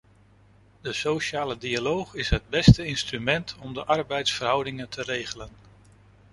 De sociale dialoog is het beste instrument om de arbeidsverhoudingen te regelen.